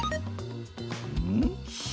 うん？